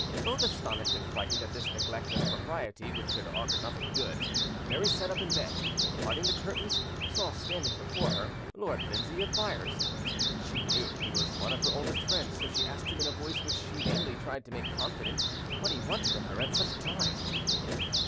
Both astonished and frightened at this neglect of propriety, which could augur nothing good, Mary sat up in bed, and parting the curtains, saw standing before her Lord Lindsay of Byres: she knew he was one of her oldest friends, so she asked him in a voice which she vainly tried to make confident, what he wanted of her at such a time.